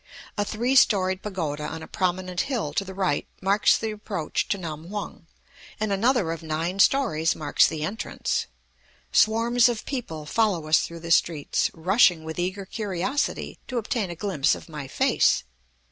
A three storied pagoda on a prominent hill to the right marks the approach to Nam hung, and another of nine stories marks the entrance. Swarms of people follow us through the streets, rushing with eager curiosity to obtain a glimpse of my face.